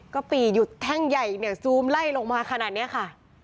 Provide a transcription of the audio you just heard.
ก็ปีหยุดแท่งใหญ่เนี่ยซูมไล่ลงมาขนาดนี้ค่ะ